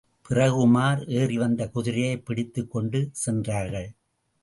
பிறகு உமார் ஏறிவந்த குதிரையைப் பிடித்துக் கொண்டு சென்றார்கள்.